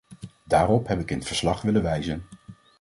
Daarop heb ik in het verslag willen wijzen.